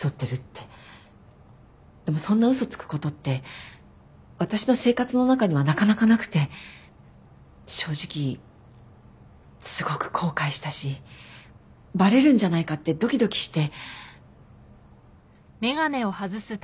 でもそんな嘘つくことって私の生活の中にはなかなかなくて正直すごく後悔したしバレるんじゃないかってドキドキして。